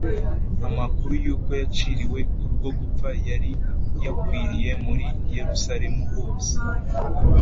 amakuru y’uko yaciriwe urwo gupfa yari yakwiriye muri yerusalemu hose